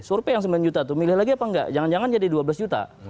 survei yang sembilan juta tuh milih lagi apa enggak jangan jangan jadi dua belas juta